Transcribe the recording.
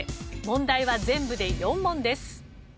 問題は全部で４問です。